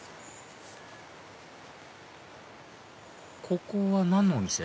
ここは何のお店？